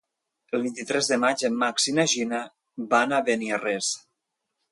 El vint-i-tres de maig en Max i na Gina van a Beniarrés.